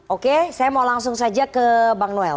oke saya mau langsung saja ke bang noel